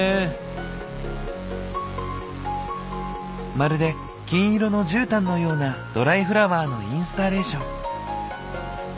まるで金色の絨毯のようなドライフラワーのインスタレーション。